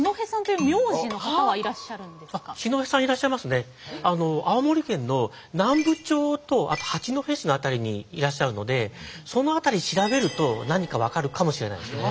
でもあの青森県の南部町とあと八戸市の辺りにいらっしゃるのでその辺り調べると何か分かるかもしれないですね。